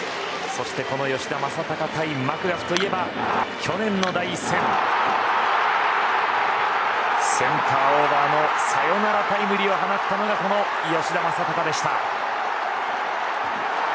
そして吉田正尚対マクガフといえば去年の第１戦センターオーバーのサヨナラタイムリーを放ったのがこの吉田正尚でした。